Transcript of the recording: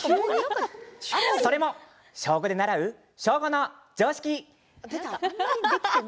それも小５で習う小５の常識。